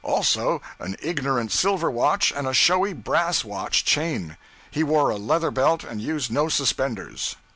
Also an ignorant silver watch and a showy brass watch chain. He wore a leather belt and used no suspenders.